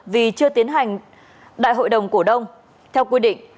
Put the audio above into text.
vì chưa tiến hành đại hội đồng cổ đông theo quy định